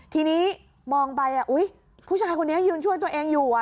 ทีนี้มองไปอุ๊ยผู้ชายคนนี้ยืนช่วยตัวเองอยู่